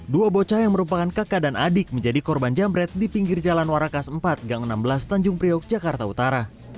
dua bocah yang merupakan kakak dan adik menjadi korban jambret di pinggir jalan warakas empat gang enam belas tanjung priok jakarta utara